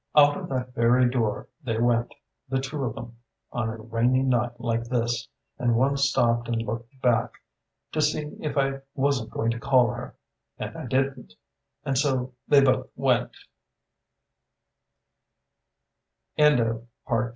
"Out of that very door they went the two of 'em, on a rainy night like this: and one stopped and looked back, to see if I wasn't going to call her and I didn't and so they bot